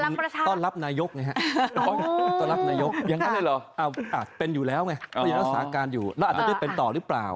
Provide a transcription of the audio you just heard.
หมายถึงว่าเป็นต้อนรับนายกเป็นอยู่แล้วไงแล้วมีอาจจะเป็นต่อรึเปล่า